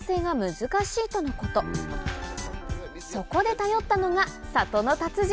そこで頼ったのが里の達人！